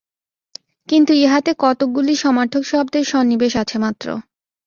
কিন্তু ইহাতে কতকগুলি সমার্থক শব্দের সন্নিবেশ আছে মাত্র।